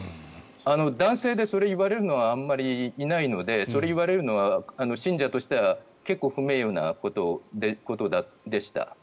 男性でそれを言われるのはあまりいないのでそれを言われるのは信者としては結構、不名誉なことでした。